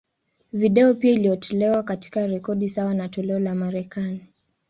Video pia iliyotolewa, katika rekodi sawa na toleo la Marekani.